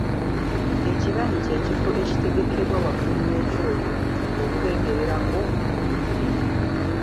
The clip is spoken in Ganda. Ekibanyi ky’ekifo ekitegekebwa waggulu w’ekyoto okwengererako embidde.